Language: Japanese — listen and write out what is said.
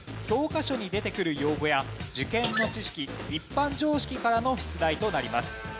教科書に出てくる用語や受験の知識一般常識からの出題となります。